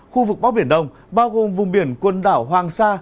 khu vực bắc biển đông bao gồm vùng biển quần đảo hoàng sa